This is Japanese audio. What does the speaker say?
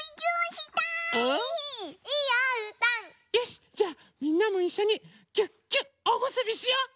よしじゃあみんなもいっしょにぎゅっぎゅっおむすびしよう！